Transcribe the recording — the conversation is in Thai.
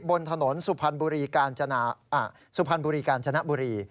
บนถนนสุพันภูริกาจนบุรี